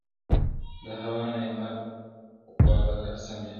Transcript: د هوا نه یې مرګ غواړه قاسم یاره,